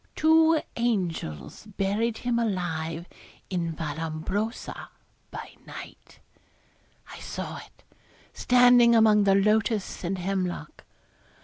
Two angels buried him alive in Vallombrosa by night; I saw it, standing among the lotus and hemlock.